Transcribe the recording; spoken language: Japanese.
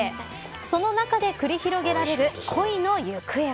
その中で繰り広げられる恋の行方は。